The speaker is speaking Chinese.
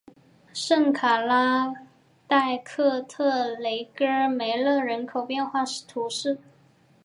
圣卡拉代克特雷戈梅勒人口变化图示